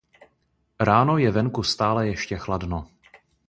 Ráno je venku stále ještě chladno.